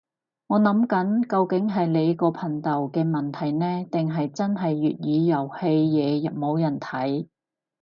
我諗緊究竟係你個頻道嘅問題呢，定係真係粵語遊戲嘢冇人睇